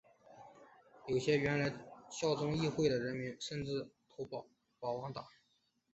有些原来效忠议会的人民甚至投奔保王党。